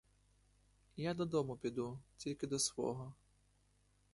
Я додому піду, тільки до свого.